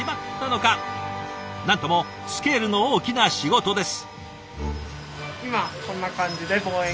なんともスケールの大きな仕事です。